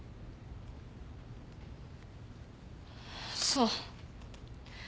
そう。